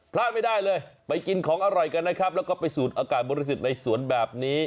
พลาดไม่ได้เลยไปกินของอร่อยกันนะครับแล้วก็ไปสูดอากาศบริสุทธิ์ในสวนแบบนี้